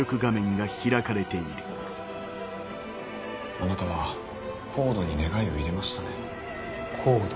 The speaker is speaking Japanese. あなたはＣＯＤＥに願いを入れましたコード？